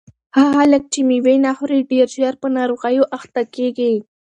هغه خلک چې مېوې نه خوري ډېر ژر په ناروغیو اخته کیږي.